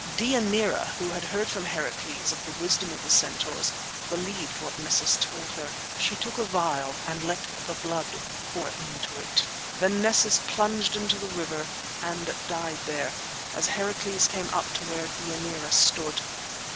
Deianira, who had heard from Heracles of the wisdom of the centaurs, believed what Nessus told her. She took a phial and let the blood pour into it. Then Nessus plunged into the river and died there as Heracles came up to where Deianira stood.